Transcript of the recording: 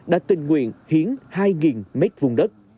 đã tình nguyện hiến hai nghìn m vùng đất